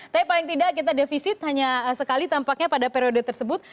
tapi paling tidak kita defisit hanya sekali tampaknya pada periode tersebut